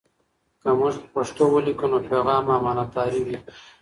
که موږ په پښتو ولیکو، نو پیغام مو امانتاري وي.